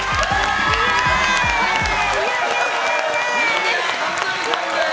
二宮和也さんです！